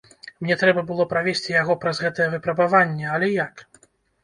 Мне трэба было правесці яго праз гэтае выпрабаванне, але як?